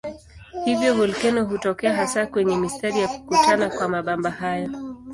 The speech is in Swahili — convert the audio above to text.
Hivyo volkeno hutokea hasa kwenye mistari ya kukutana kwa mabamba hayo.